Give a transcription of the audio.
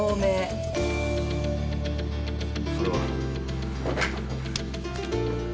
それは。